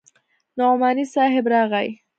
نعماني صاحب راغى.